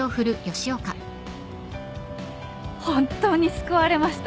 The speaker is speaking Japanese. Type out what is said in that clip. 本当に救われました。